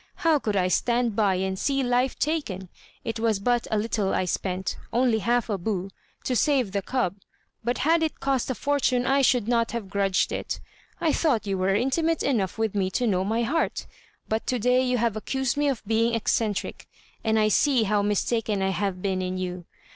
How could I stand by and see life taken? It was but a little I spent only half a bu to save the cub, but had it cost a fortune I should not have grudged it. I thought you were intimate enough with me to know my heart; but to day you have accused me of being eccentric, and I see how mistaken I have been in you.